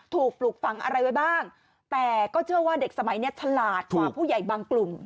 ปลูกฝังอะไรไว้บ้างแต่ก็เชื่อว่าเด็กสมัยนี้ฉลาดกว่าผู้ใหญ่บางกลุ่ม